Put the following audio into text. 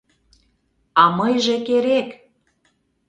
А мыйже керек...